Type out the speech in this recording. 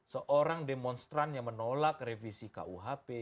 seorang demonstran yang menolak revisi kuhp